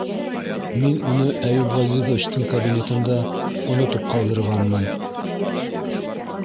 Мин уны Әйүп Ғәзизовичтың кабинетында онотоп ҡалдырғанмын...